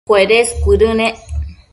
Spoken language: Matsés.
cuedes cuëdënec